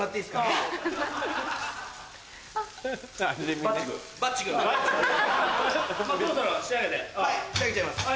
はい仕上げちゃいます。